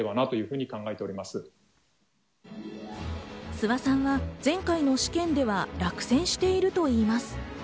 諏訪さんは前回の試験では落選しているといいます。